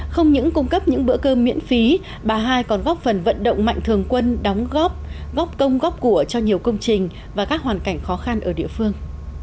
không những cung cấp những bữa cơm miễn phí bà hai còn góp phần vận động mạnh thường quân đóng góp góp công góp của cho nhiều công trình và các hoàn cảnh khó khăn ở địa phương